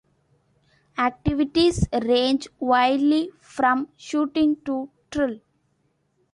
Activities range widely, from shooting to drill.